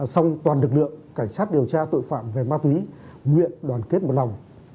xong toàn lực lượng cảnh sát điều tra tội phạm về ma túy nguyện đoàn kết một lòng